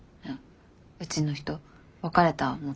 うちの人別れた元夫。